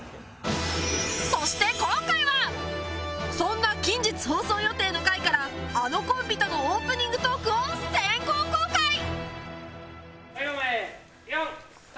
そして今回はそんな近日放送予定の回からあのコンビとのオープニングトークを先行公開